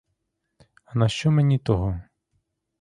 А на що мені того?